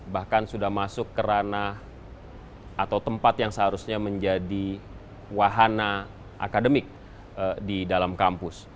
bahkan sudah masuk ke ranah atau tempat yang seharusnya menjadi wahana akademik di dalam kampus